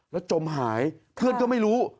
แล้วจมหายเพื่อนก็ไม่รู้